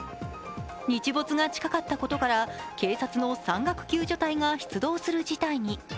日没が近かったことから警察の山岳救助隊が出動する事態に。